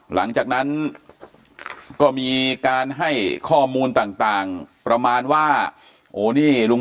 หลังจากนั้นก็มีการให้ข้อมูลต่างประมาณว่าโอ้นี่ลุง